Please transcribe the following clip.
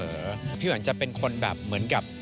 พี่ว่าความมีสปีริตของพี่แหวนเป็นตัวอย่างที่พี่จะนึกถึงเขาเสมอ